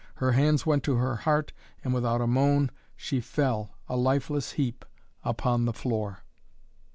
Her hands went to her heart and without a moan she fell, a lifeless heap, upon the floor.